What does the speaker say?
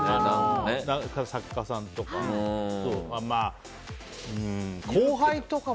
作家さんとかも。